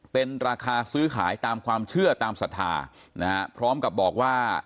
เป็นราคาซื้อขายตามความเชื่อตามศรัทธานะฮะพร้อมกับบอกว่า